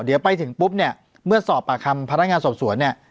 เดี๋ยวไปถึงปุ๊บเนี่ยเมื่อสอบปากคำพนักงานสอบสวนเนี่ย